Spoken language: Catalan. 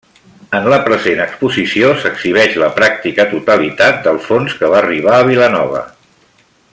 En la present exposició s'exhibeix la pràctica totalitat del fons que va arribar a Vilanova.